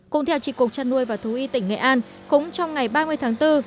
cùng theo chỉ cục trăn nuôi và thú y tỉnh nghệ an cũng trong ngày ba mươi tháng bốn